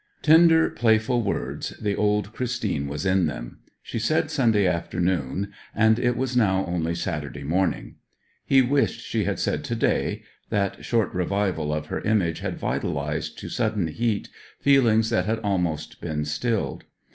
Tender playful words; the old Christine was in them. She said Sunday afternoon, and it was now only Saturday morning. He wished she had said to day; that short revival of her image had vitalized to sudden heat feelings that had almost been stilled.